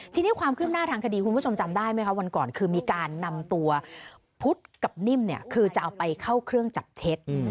ทีนี้ความคืบหน้าทางคดีคุณผู้ชมจำได้ไหมคะวันก่อนคือมีการนำตัวพุทธกับนิ่มเนี่ยคือจะเอาไปเข้าเครื่องจับเท็จ